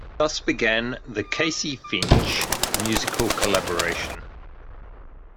Thus began the Casey-Finch musical collaboration.